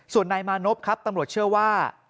ส่วนนายมานพครับตำรวจเชื่อว่า